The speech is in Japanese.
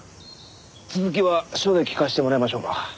続きは署で聞かせてもらいましょうか。